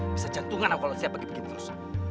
bisa jantungan kalau saya bagi bagi terus